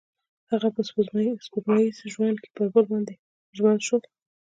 هغوی په سپوږمیز ژوند کې پر بل باندې ژمن شول.